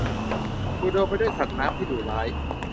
อุดมไปด้วยสัตว์น้ำที่ดุร้าย